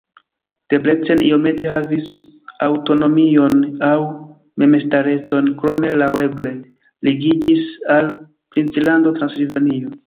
Debrecen iomete havis aŭtonomion aŭ memstarecon, krome laŭeble ligiĝis al princlando Transilvanio.